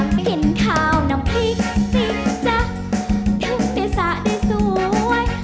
กินข้าวน้ำพริกสีจ๊ะทุกศาสตร์ได้สวย